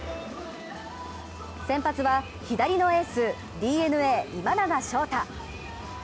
先発は左のエースＤｅＮＡ・今永昇太。